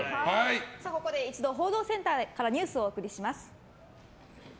ここで一度報道センターからニュースをお送りします。